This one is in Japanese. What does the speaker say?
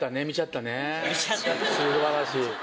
素晴らしい。